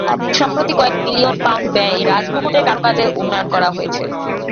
সম্প্রতি কয়েক million pound ব্যয়ে রাজমুকুটের কারুকাজের উন্নয়ন করা হয়েছে।